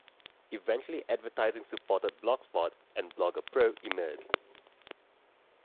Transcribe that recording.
Eventually advertising-supported Blogspot and Blogger Pro emerged.